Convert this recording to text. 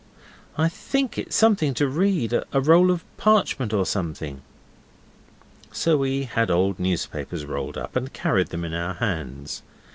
'I think it's something to read. A roll of parchment or something.' So we had old newspapers rolled up, and carried them in our hands.